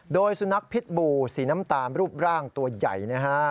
โดยสุนัขพิษบูสีน้ำตาลรูปร่างตัวใหญ่นะฮะ